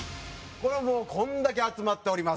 これはもうこれだけ集まっております。